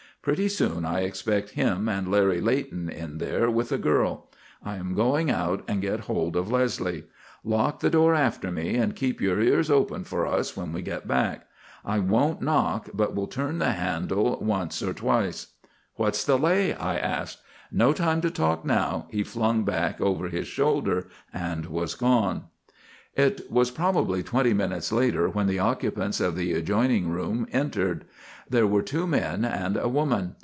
Pretty soon I expect him and Larry Leighton in there with a girl. I am going out and get hold of Leslie. Lock the door after me and keep your ears open for us when we get back. I won't knock, but will turn the handle once or twice." "What's the lay?" I asked. "No time to talk now," he flung back over his shoulder, and was gone. It was probably twenty minutes later when the occupants of the adjoining room entered. There were two men and a woman.